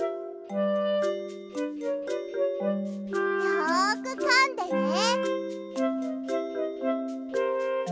よくかんでね。